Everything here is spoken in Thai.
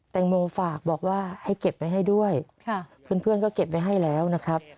งงฝากบอกว่าให้เก็บไว้ให้ด้วยเพื่อนก็เก็บไว้ให้แล้วนะครับ